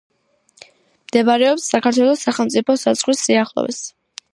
მდებარეობს საქართველოს სახელმწიფო საზღვრის სიახლოვეს.